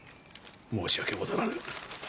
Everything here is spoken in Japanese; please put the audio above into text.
申し訳ござらぬ。